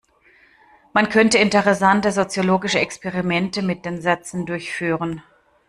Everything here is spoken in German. Man könnte interessante soziologische Experimente mit den Sätzen durchführen.